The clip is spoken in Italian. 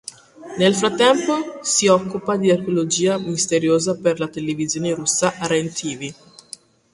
Nel frattempo si occupa di archeologia "misteriosa" per la televisione russa Ren Tv.